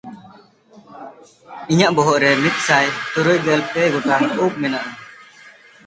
ᱤᱧᱟᱜ ᱵᱚᱦᱚᱜ ᱨᱮ ᱢᱤᱫᱥᱟᱭ ᱛᱩᱨᱩᱭᱜᱮᱞ ᱯᱮ ᱜᱚᱴᱟᱝ ᱩᱵ ᱢᱮᱱᱟᱜᱼᱟ᱾